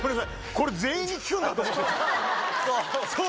これ、全員に聞くんだと思って。